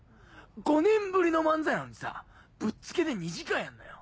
５年ぶりの漫才なのにさぶっつけで２時間やんのよ？